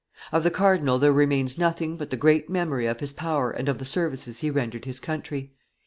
Of the cardinal there remains nothing but the great memory of his power and of the services he rendered his country.